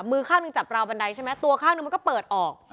มือข้างหนึ่งจับราวบันไดใช่ไหมตัวข้างหนึ่งมันก็เปิดออก